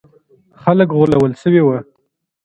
خلګ غولول سوي وو.